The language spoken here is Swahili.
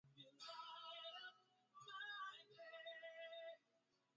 Kifo ndani ya saa moja baada ya mnyama kuzimia